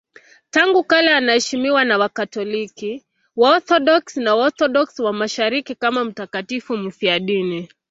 Tangu kale anaheshimiwa na Wakatoliki, Waorthodoksi na Waorthodoksi wa Mashariki kama mtakatifu mfiadini.